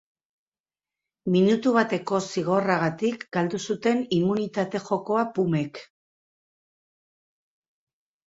Minutu bateko zigorragatik galdu zuten immunitate jokoa pumek.